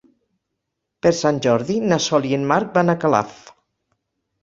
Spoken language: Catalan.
Per Sant Jordi na Sol i en Marc van a Calaf.